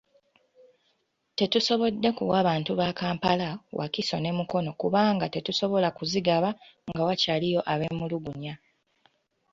Tetusobodde kuwa bantu ba Kampala, Wakiso ne Mukono kubanga tetusobola kuzigaba nga wakyaliwo abeemulugunya.